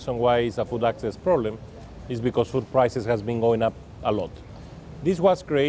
dan alasan mengapa kesegahan tersebut tergantung adalah karena